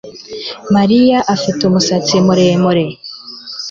maria afite umusatsi muremure